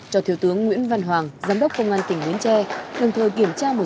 cho thiếu tướng nguyễn văn hoàng giám đốc công an tỉnh bến tre